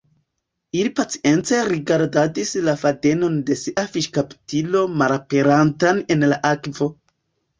Ili pacience rigardadis la fadenon de sia fiŝkaptilo malaperantan en la akvo.